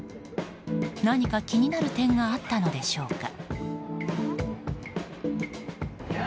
何か気になる点があったのでしょうか。